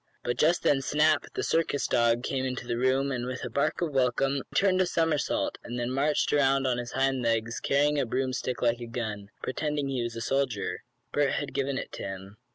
But just then Snap, the circus dog, came in the room, and, with a bark of welcome, he turned a somersault, and then marched around on his hind legs, carrying a broomstick like a gun pretending he was a soldier. Bert had given it to him.